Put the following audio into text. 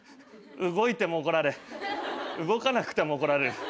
動いても怒られ動かなくても怒られる。